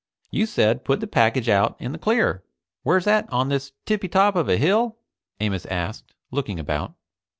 You said, put the package out in the clear. Where's that, on this tippy top of a hill?" Amos asked, looking about.